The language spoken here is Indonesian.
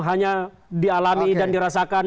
hanya dialami dan dirasakan